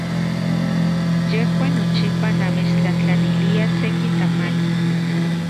Yejuan nochipa namechtlajtlaniliaj seki tamali.